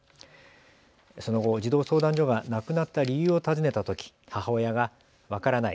その後、児童相談所が亡くなった理由を尋ねたとき母親が分からない。